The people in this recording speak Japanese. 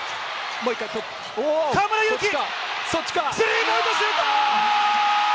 河村勇輝、スリーポイントシュート！